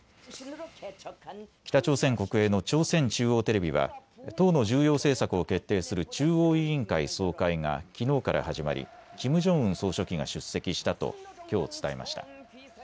北朝鮮国営の朝鮮中央テレビは党の重要政策を決定する中央委員会総会がきのうから始まりキム・ジョンウン総書記が出席したときょう伝えました。